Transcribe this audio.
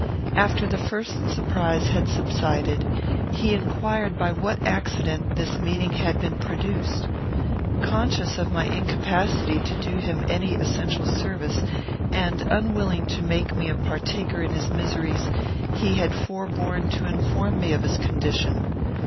After the first surprise had subsided, he inquired by what accident this meeting had been produced. Conscious of my incapacity to do him any essential service, and unwilling to make me a partaker in his miseries, he had forborne to inform me of his condition.